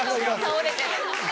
倒れてる。